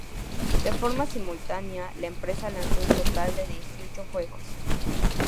De forma simultánea, la empresa lanzó un total de dieciocho juegos.